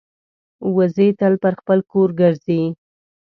وزې تل پر خپل کور ګرځي